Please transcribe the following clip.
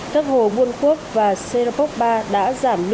các hồ buôn quốc và sê đa pốc ba đã giảm lưu